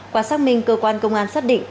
qua xác minh cơ quan công an xác định